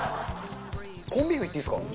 コンビーフいっていいですか？